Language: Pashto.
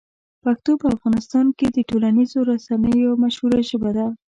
پښتو په افغانستان کې د ټولنیزو رسنیو یوه مشهوره ژبه ده.